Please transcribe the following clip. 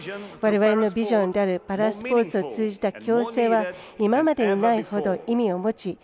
われわれのビジョンであるパラスポーツを通じた共生は今までにないほど意味を持ち